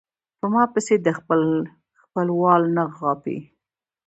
پۀ ما پسې د خپل خپل وال نه غاپي